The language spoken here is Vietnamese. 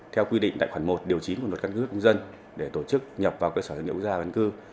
theo quy định đại khoản một điều chín của luật căn cước công dân để tổ chức nhập vào cơ sở dân dự quốc gia vấn cư